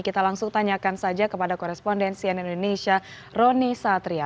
kita langsung tanyakan saja kepada korespondensian indonesia roni satria